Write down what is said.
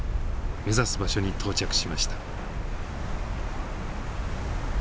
目指す場所に到着しました。